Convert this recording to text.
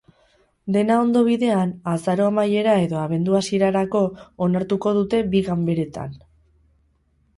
Dena ondo bidean, azaro amaiera edo abendu hasierarako onartuko dute bi ganberetan.